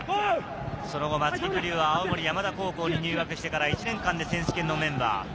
松木玖生は青森山田高校に入学してから１年間で選手権のメンバー。